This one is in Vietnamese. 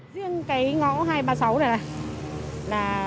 riêng cái ngõ hai trăm ba mươi sáu này